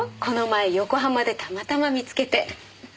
この前横浜でたまたま見つけて。